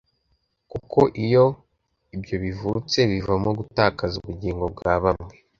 . Kuko iyo ibyo bivutse, bivamo gutakaza ubugingo bwa bamwe.